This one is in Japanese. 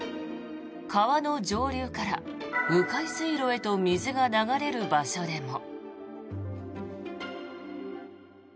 川の上流から迂回水路へと水が流れる場所でも。